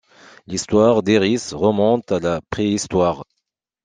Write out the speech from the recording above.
L'histoire d'Erice remonte à la préhistoire.